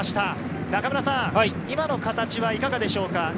今の形はいかがでしょうか。